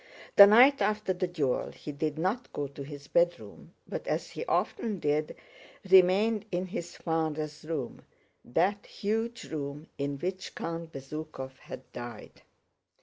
The night after the duel he did not go to his bedroom but, as he often did, remained in his father's room, that huge room in which Count Bezúkhov had died.